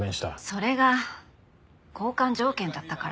それが交換条件だったから。